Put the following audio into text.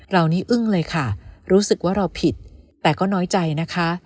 เรานี่อึ้งเลยค่ะรู้สึกว่าเราผิดแต่ก็น้อยใจนะคะ